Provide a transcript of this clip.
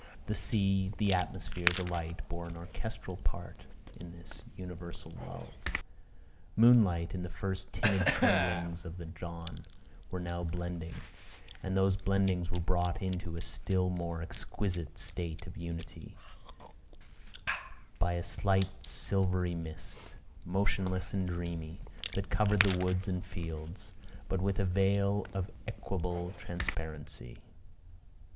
The sea, the atmosphere, the light, bore an orchestral part in this universal lull. Moonlight, in the first timid tremblings of the dawn, were now blending: and the blendings were brought into a still more exquisite state of unity, by a slight silvery mist, motionless and dreamy, that covered the woods and fields, but with a veil of equable transparency.